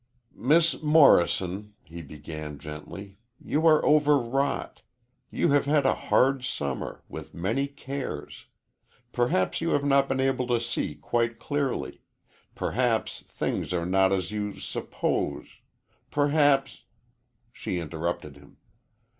"Miss Morrison," he began gently, "you are overwrought. You have had a hard summer, with many cares. Perhaps you have not been able to see quite clearly perhaps things are not as you suppose perhaps " She interrupted him.